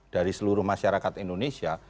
dari seluruh masyarakat indonesia